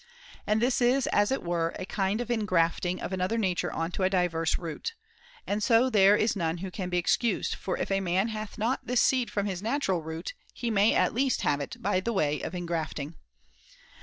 And this is, as it were, a kind of engrafting of another nature on a diverse root. And so there is none who can be 338 THE CONVIVIO Ch. Martha excused ; for if a man hath not this seed from and Mary his natural root, he may at least have it by way of engrafting.